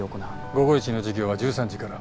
午後一の授業は１３時から。